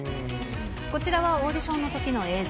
こちらはオーディションのときの映像。